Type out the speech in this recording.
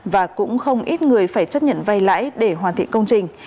và cũng không ít người phải chấp nhận vay lãi để hoàn thiện công trình